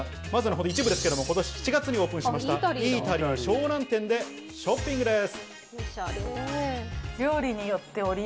一部ですが今年７月にオープンしたイータリー湘南店でショッピングです。